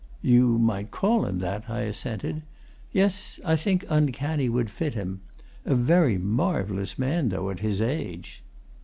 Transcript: "You might call him that," I assented. "Yes I think uncanny would fit him. A very marvellous man, though, at his age."